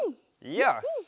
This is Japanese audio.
よし！